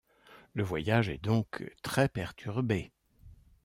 Le voyage est donc très perturbé.